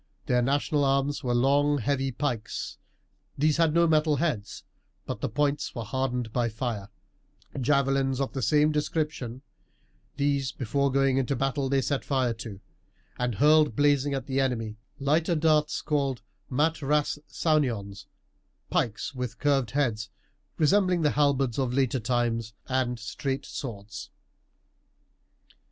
Their national arms were long heavy pikes these had no metal heads, but the points were hardened by fire; javelins of the same description these before going into battle they set fire to, and hurled blazing at the enemy lighter darts called mat ras saunions, pikes with curved heads, resembling the halberds of later times; and straight swords.